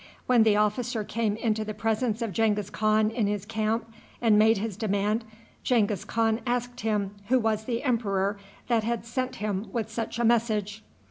When the officer came into the presence of Genghis Khan in his camp, and made his demand, Genghis Khan asked him who was the emperor that had sent him with such a message.